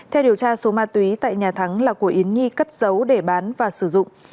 theo điều tra số ma túy tại nhà thắng là của yến nhi cất giấu để bán và sử dụng